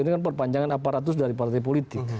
ini kan perpanjangan aparatus dari partai politik